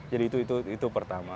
jadi itu pertama